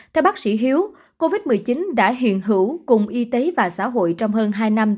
theo bác sĩ hiếu covid một mươi chín đã hiện hữu cùng y tế và xã hội trong hơn hai năm